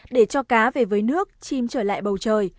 để cho cá về với nước chim trở lại bầu trời